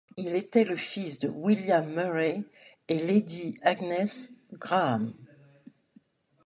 Il était le fils de William Murray et Lady Agnes Graham.